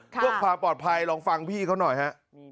พวกพาปลอดภัยลองฟังพี่เขาหน่อยฮะ